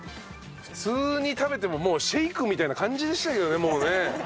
普通に食べてもシェイクみたいな感じでしたけどねもうね。